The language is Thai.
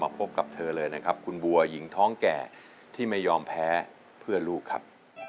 พบกับเธอเลยนะครับคุณบัวหญิงท้องแก่ที่ไม่ยอมแพ้เพื่อลูกครับ